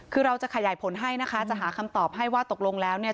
คือเราจะขยายผลให้นะคะจะหาคำตอบให้ว่าตกลงแล้วเนี่ย